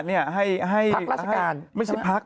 พักราชการ